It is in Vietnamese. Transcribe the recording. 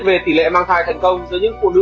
về tỷ lệ mang thai thần công giữa những phụ nữ